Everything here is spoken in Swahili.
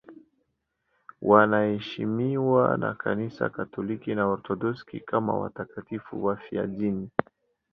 Wanaheshimiwa na Kanisa Katoliki na Waorthodoksi kama watakatifu wafiadini.